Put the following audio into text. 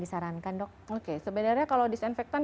disarankan dok sebenarnya kalau disinfektan